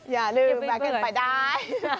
อย่าลืมมาที่เอนไปได้